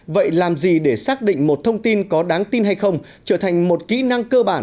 vậy làm gì để xác định một thông tin có đáng tin hay không trở thành một kỹ năng cơ bản